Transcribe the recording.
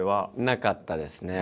なかったですね。